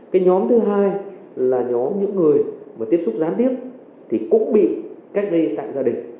cái nhóm thứ hai là nhóm những người mà tiếp xúc gián tiếp thì cũng bị cách ly tại gia đình